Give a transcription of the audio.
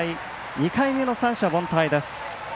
２回目の三者凡退です。